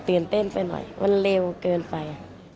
ตื่นเต้นไปหน่อยมันเร็วเกินไป